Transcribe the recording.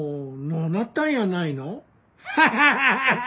ハハハハ！